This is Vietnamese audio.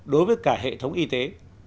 đối với cả hệ thống y tế